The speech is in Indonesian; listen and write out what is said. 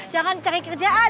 jangan cari kerjaan